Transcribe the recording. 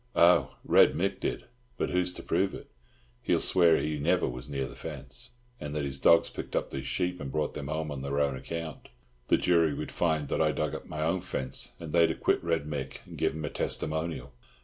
"Oh, Red Mick did; but who's to prove it? He'll swear he never was near the fence, and that his dogs picked up these sheep and brought them home on their own account. The jury would find that I dug up my own fence, and they'd acquit Red Mick, and give him a testimonial.